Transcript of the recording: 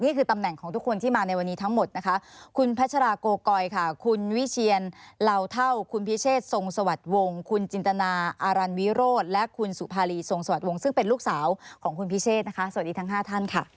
ตำแหน่งของทุกคนที่มาในวันนี้ทั้งหมดนะคะคุณพัชราโกกอยค่ะคุณวิเชียนเหล่าเท่าคุณพิเชษทรงสวัสดิ์วงคุณจินตนาอารันวิโรธและคุณสุภารีทรงสวัสดิ์วงศ์ซึ่งเป็นลูกสาวของคุณพิเชษนะคะสวัสดีทั้ง๕ท่านค่ะ